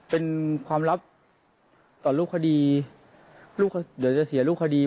เป็นความลับต่อลูกคดีลูกเดี๋ยวจะเสียลูกคดี